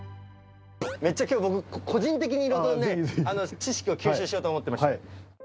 めっちゃ、きょう僕、個人的にいろいろとね、知識を吸収しようと思ってまして。